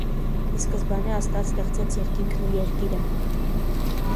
Ի սկզբանէ Աստուած ստեղծեց երկինքն ու երկիրը։